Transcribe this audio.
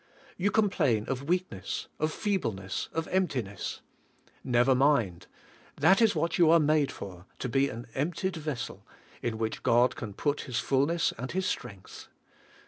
You complain of weakness, of feebleness, of emptiness. Nevermind; that is what you are made for — to be an emptied vessel, in which God can put His fullness and His s'rength.